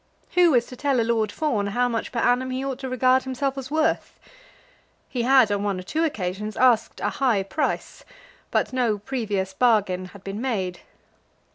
Who is to tell a Lord Fawn how much per annum he ought to regard himself as worth? He had, on one or two occasions, asked a high price, but no previous bargain had been made.